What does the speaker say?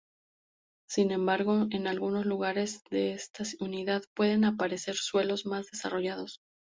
Sin embargo, en algunos lugares de esta unidad pueden aparecer suelos más desarrollados.